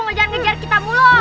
ngejar ngejar kita mulu